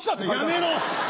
やめろ！